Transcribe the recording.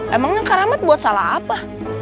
emangnya kak rahmat buat salah apa